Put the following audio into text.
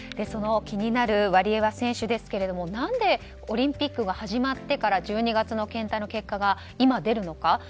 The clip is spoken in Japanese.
気になるワリエワ選手ですが何でオリンピックが始まってから１２月の検体の結果が今、出るのか。